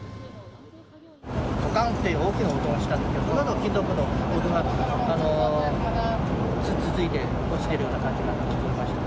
どかーんっていう大きな音がしたんですけど、そのあと金属の音が続いて、落ちてるような感じがしました。